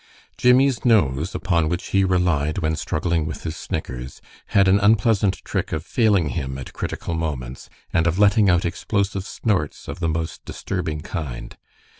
Jimmie's nose, upon which he relied when struggling with his snickers, had an unpleasant trick of failing him at critical moments, and of letting out explosive snorts of the most disturbing kind.